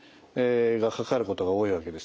がかかることが多いわけです。